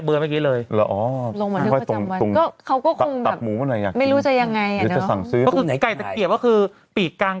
ชื่อไหน